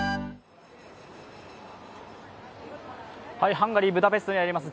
ハンガリー・ブダペストにあります